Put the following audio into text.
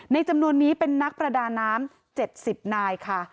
จำนวนนี้เป็นนักประดาน้ำ๗๐นายค่ะ